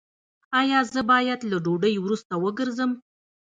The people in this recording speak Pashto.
ایا زه باید له ډوډۍ وروسته وګرځم؟